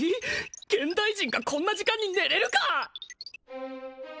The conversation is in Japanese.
現代人がこんな時間に寝れるか！